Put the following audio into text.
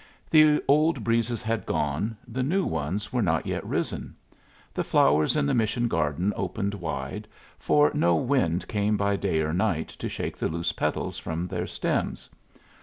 The old breezes had gone; the new ones were not yet risen. The flowers in the mission garden opened wide, for no wind came by day or night to shake the loose petals from their stems.